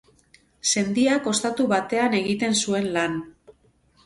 Sendiak ostatu batean egiten zuen lan.